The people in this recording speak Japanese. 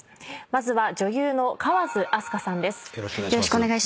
まずは女優の川津明日香さんです。